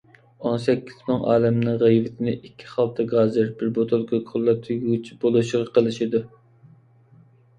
ئون سەككىز مىڭ ئالەمنىڭ غەيۋىتىنى ئىككى خالتا گازىر، بىر بوتۇلكا كولا تۈگىگىچە بولىشىغا قىلىشىدۇ.